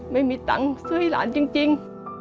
ไม่มีตังค์ซื้อให้หลานจริง